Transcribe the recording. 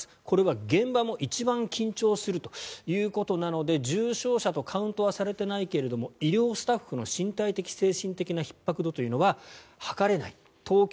これは現場も一番緊張するということなので重症者とカウントはされていないけれど医療スタッフの身体的・精神的なひっ迫度というのは測れないと。